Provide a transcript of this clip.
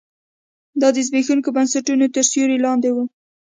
دا د زبېښونکو بنسټونو تر سیوري لاندې و.